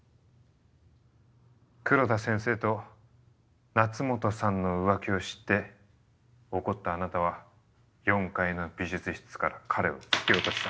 黒田先生と夏本さんの浮気を知って怒ったあなたは４階の美術室から彼を突き落とした。